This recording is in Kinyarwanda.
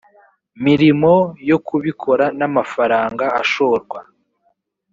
mirimo yo kubikora n amafaranga ashorwa